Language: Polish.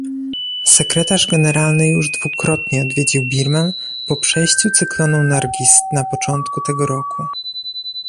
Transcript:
Sekretarz Generalny już dwukrotnie odwiedził Birmę po przejściu cyklonu Nargis na początku tego roku